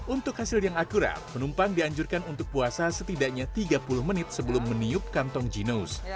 untuk hasil yang akurat penumpang dianjurkan untuk puasa setidaknya tiga puluh menit sebelum meniup kantong ginos